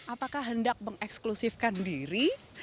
apakah hendak mengeksklusifkan diri